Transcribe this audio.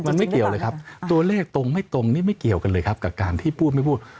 มันไม่เกี่ยวเลยครับตัวเลขตรงไม่ตรงนี่ไม่เกี่ยวกันเลยครับกับการที่พูดไม่พูด